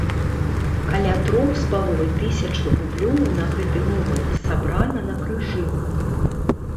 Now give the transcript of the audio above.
Каля трох з паловай тысяч рублёў на гэты момант сабрана на крыжы.